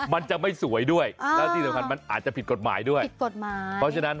มันจะไม่สวยด้วยแล้วอาจจะผิดกฎหมายด้วยเพราะฉะนั้น